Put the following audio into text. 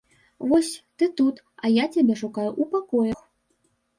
Вось, ты тут, а я цябе шукаю ў пакоях.